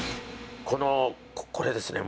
このこれですね。